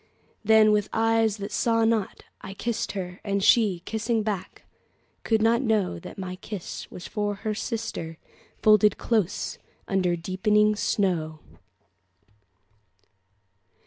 Then, with eyes that saw not, I kissed her; And she, kissing back, could not knowThat my kiss was given to her sister, Folded close under deepening snow.